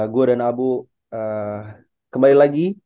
gue dan abu kembali lagi